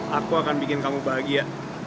aku akan bikin kamu bahagia